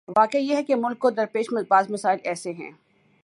واقعہ یہ ہے کہ ملک کو درپیش بعض مسائل ایسے ہیں۔